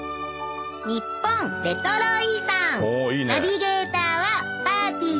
ナビゲーターはぱーてぃー